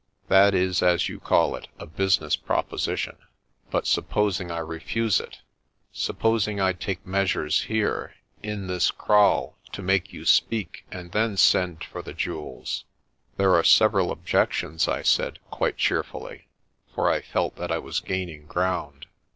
"That is, as you call it, a business proposition. But sup posing I refuse it? Supposing I take measures here in this kraal to make you speak and then send for the jewels." 198 PRESTER JOHN "There are several objections," I said, quite cheerfully, for I felt that I was gaining ground.